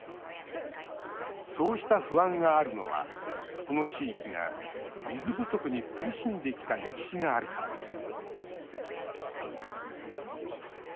そうした不安があるのはこの地域が水不足に苦しんできた歴史があるからです